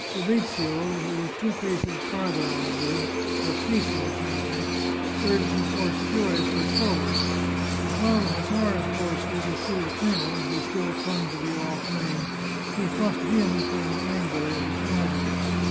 Fabrizio, who was two paces farther on the bridge, but facing the tavern, urged his horse furiously forward, and while the hussar's horse overthrew the colonel, who still clung to the off rein, he thrust vehemently and angrily at its rider.